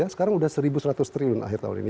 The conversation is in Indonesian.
sekarang sudah satu seratus triliun akhir tahun ini